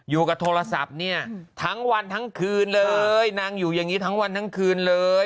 โทรศัพท์เนี่ยทั้งวันทั้งคืนเลยนางอยู่อย่างนี้ทั้งวันทั้งคืนเลย